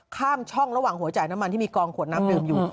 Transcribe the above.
ข้ามช่องระหว่างหัวจ่ายน้ำมันที่มีกองขวดน้ำดื่มอยู่